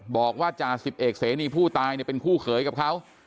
บอกว่าจาสิบเอกเสนียผู้ตายเนี่ยเป็นคู่เขยกับเขา